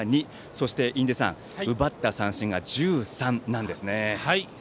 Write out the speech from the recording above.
そして印出さん奪った三振が１３なんですね。